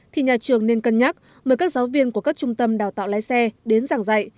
thì nhà trường nên cân nhắc mời các giáo viên của các trung tâm đào tạo lái xe đến giảng dạy